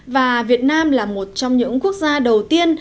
và việt nam là một trong những quốc gia đầu tiên